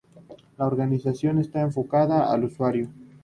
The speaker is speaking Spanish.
La organización está enfocada al usuario.